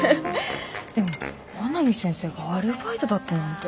でも阿南先生がアルバイトだったなんて。